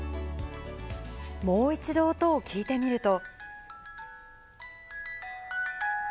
もう一度音を聞いてみると。